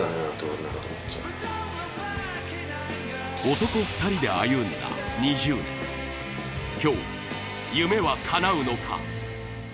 男２人で歩んだ２０年、今日、夢はかなうのか。